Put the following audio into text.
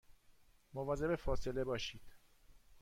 مواظب فاصله باشید